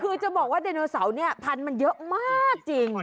คือจะบอกว่าเดนโนโสสาวนี้พันธุ์มันเยอะมากจริง